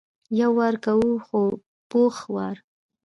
یو وار کوو خو پوخ وار.